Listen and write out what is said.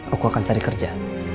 aku akan cari kerja